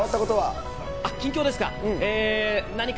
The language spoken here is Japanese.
近況ですか。